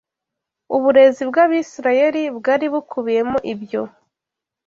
Uburezi bw’Abisirayeli bwari bukubiyemo ibyo